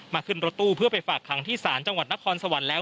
ขึ้นรถตู้เพื่อไปฝากขังที่ศาลจังหวัดนครสวรรค์แล้ว